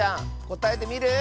こたえてみる？